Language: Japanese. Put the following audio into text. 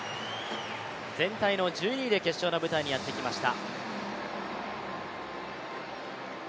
全体の１２位で決勝の舞台にやってきました。